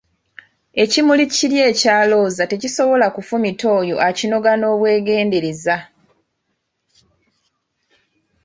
Ekimuli kiri ekya Looza tekisobola kufumita oyo akinoga n'obwegendereza !